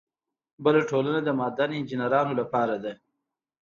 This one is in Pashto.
بله ټولنه د معدن انجینرانو لپاره ده.